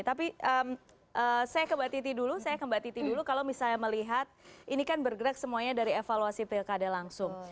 tapi saya ke mbak titi dulu kalau misalnya melihat ini kan bergerak semuanya dari evaluasi pilkada langsung